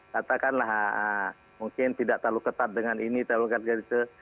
katakanlah mungkin tidak terlalu ketat dengan ini terlalu ketat dengan itu